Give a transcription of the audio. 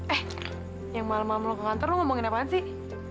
eh yang malem malem lu ke kantor lu ngomongin apaan sih